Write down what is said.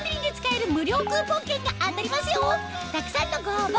たくさんのご応募